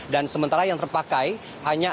dan sementara yang terpakai hanya enam delapan ratus